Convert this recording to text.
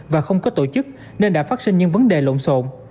và không có tổ chức nên đã phát sinh những vấn đề lộn xộn